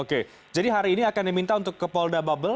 oke jadi hari ini akan diminta untuk ke polda bubble